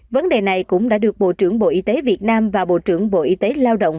vấn đề này cũng đã được bộ trưởng bộ y tế việt nam và bộ trưởng bộ y tế lao động